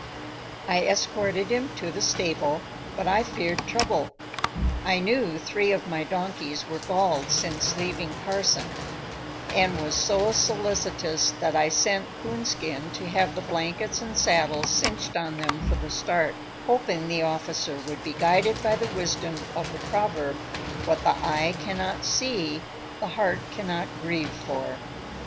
I escorted him to the stable, but I feared trouble. I knew three of my donkeys were galled since leaving Carson, and was so solicitous that I sent Coonskin to have the blankets and saddles cinched on them for the start, hoping the officer would be guided by the wisdom of the proverb, "What the eye cannot see the heart cannot grieve for."